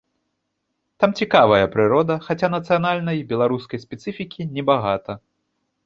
Там цікавая прырода, хаця нацыянальнай, беларускай спецыфікі небагата.